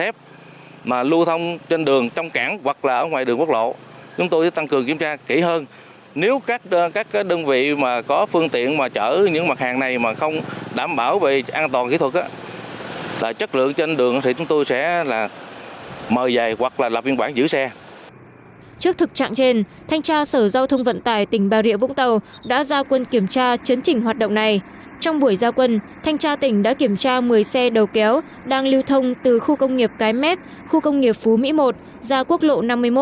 phải chở cuộn sắt thép mà lưu thông trên đường trong cảng hoặc là ở ngoài đường quốc lộ